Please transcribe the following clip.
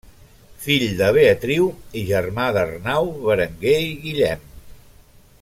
Fill de Beatriu i germà d'Arnau, Berenguer i Guillem.